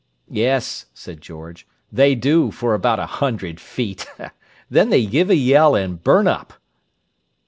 "Yes," said George; "they do—for about a hundred feet! Then they give a yell and burn up."